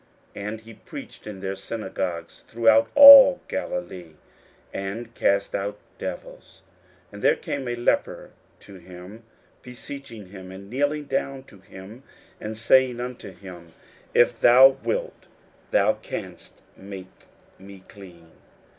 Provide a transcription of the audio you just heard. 41:001:039 And he preached in their synagogues throughout all Galilee, and cast out devils. 41:001:040 And there came a leper to him, beseeching him, and kneeling down to him, and saying unto him, If thou wilt, thou canst make me clean.